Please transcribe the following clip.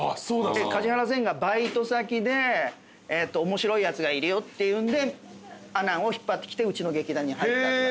梶原善がバイト先で面白いやつがいるよっていうんで阿南を引っ張ってきてうちの劇団に入った。